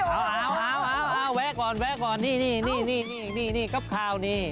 เอาแวะก่อนนี่กับข้าวนี่